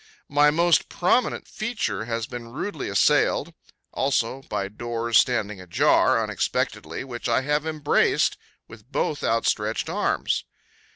My most prominent feature has been rudely assailed, also, by doors standing ajar, unexpectedly, which I have embraced with both outstretched arms.